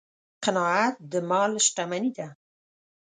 قناعت د مال شتمني ده.